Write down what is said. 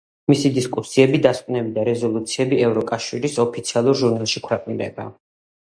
მისი დისკუსიები, დასკვნები და რეზოლუციები ევროკავშირის ოფიციალურ ჟურნალში ქვეყნდება.